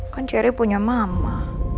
kan cherry punya mama